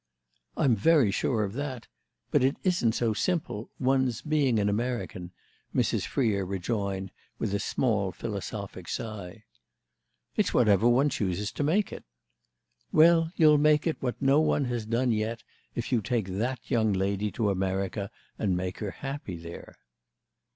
"I'm very sure of that; but it isn't so simple—one's being an American," Mrs. Freer rejoined with a small philosophic sigh. "It's whatever one chooses to make it." "Well, you'll make it what no one has done yet if you take that young lady to America and make her happy there."